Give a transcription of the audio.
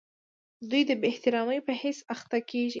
دوی د بې احترامۍ په حس اخته کیږي.